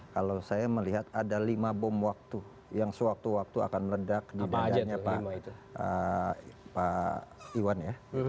kalau saya melihat ada lima bom waktu yang sewaktu waktu akan meledak di badannya pak iwan ya